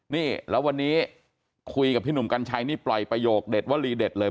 นี่แล้ววันนี้คุยกับพี่หนุ่มกัญชัยนี่ปล่อยประโยคเด็ดวลีเด็ดเลย